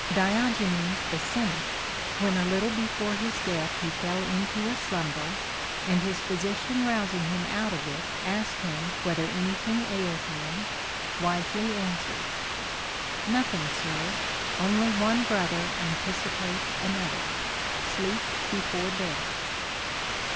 Diogenes the Cynic, when a little before his death he fell into a slumber, and his physician rousing him out of it asked him whether any thing ailed him, wisely ansΛvered, Nothing, sir, only one brother anticipates another, — Sleep before Death.